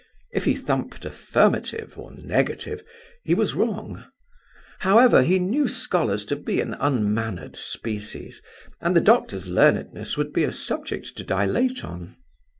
If he thumped affirmative or negative, he was wrong. However, he knew scholars to be an unmannered species; and the doctor's learnedness would be a subject to dilate on.